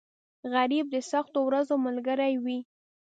غریب د سختو ورځو ملګری وي